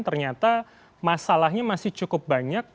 ternyata masalahnya masih cukup banyak